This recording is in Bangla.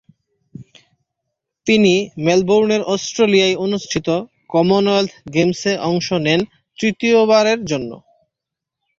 তিনি মেলবোর্নের অস্ট্রেলিয়ায় অনুষ্ঠিত কমনওয়েলথ গেমসে অংশ নেন তৃতীয়বারের জন্যে।